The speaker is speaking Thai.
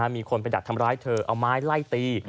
มีคนไปดักทำร้ายเธอเอาไม้ไล่ตี